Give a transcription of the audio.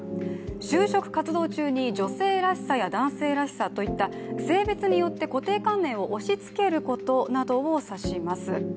就職活動中に女性らしさや男性らしさといった性別によって固定観念を押しつけることなどを指します。